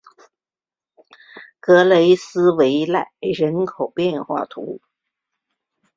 格雷斯维莱人口变化图示